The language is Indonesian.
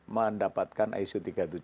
mendapatkan iso tiga puluh tujuh ribu satu